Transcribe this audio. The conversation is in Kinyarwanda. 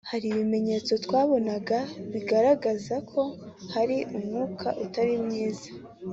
Hari ibimenyetso twabonaga bigaragaza ko hari umwuka utari mwiza